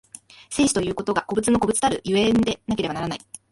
生死ということが個物の個物たる所以でなければならない。